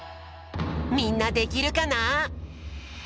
みんなできるかな？